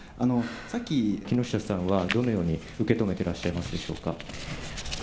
木下さんはどのように受け止めてらっしゃいますでしょうか。